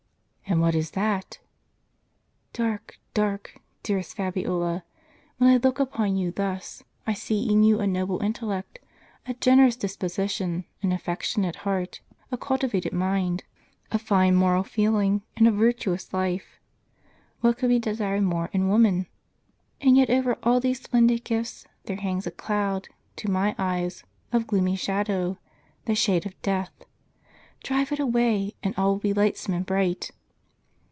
"And what is that?" "Dark, dark, dearest Fabiola. When I look upon you thus, I see in you a noble intellect, a generous disposition, an affectionate heart, a cultivated mind, a tine moral feeling, and a virtuous life. What can be desired more in woman ? and yet over all these splendid gifts theie hangs a cloud, to my eyes, of gloomy shadow, the shade of death. Drive it away, and all will be lightsome and bright."